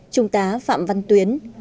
chúng ta phạm văn tuyến